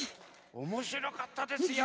おもしろかったですよ。